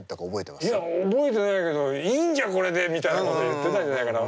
いや覚えてないけど「いいんじゃこれで」みたいなこと言ってたんじゃないかな。